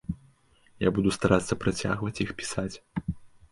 Я буду старацца працягваць іх пісаць.